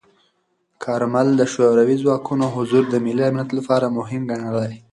کارمل د شوروي ځواکونو حضور د ملي امنیت لپاره مهم ګڼلی.